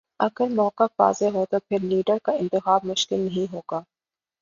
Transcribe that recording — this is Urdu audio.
اگر موقف واضح ہو تو پھر لیڈر کا انتخاب مشکل نہیں ہو گا۔